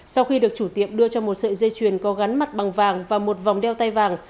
sau khi được chủ tiệm đưa cho một sợi dây chuyền có gắn mặt bằng vàng và một vòng đeo tay vàng